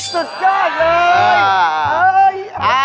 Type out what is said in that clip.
สุดยอดน่ะเลย